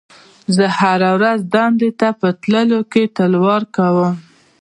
زه هره ورځ دندې ته په تللو کې تلوار کوم.